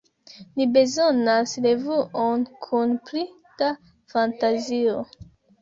Ni bezonas revuon kun pli da fantazio.